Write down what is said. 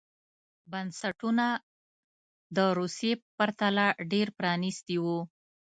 بنسټونه د روسیې په پرتله ډېر پرانېستي وو.